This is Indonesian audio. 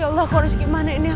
ya allah kores gimana ini ya